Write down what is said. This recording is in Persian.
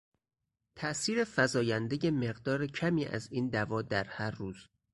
تاثیر فزایندهی مقدار کمی از این دوا در هر روز